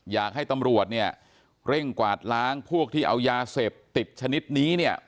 อยากให้ตำรวจเนี่ยเร่งกวาดล้างพวกที่เอายาเสพติดชนิดนี้เนี่ย